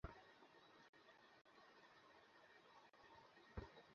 এলাকায় সিটিং বাসের গল্প শুনতে শুনতে হাদু ভাইয়ের কান ঝালাপালা হয়ে গিয়েছিল।